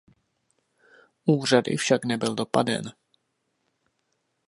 Úřady však dopaden nebyl.